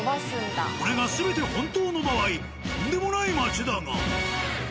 これが全て本当の場合とんでもない町だが。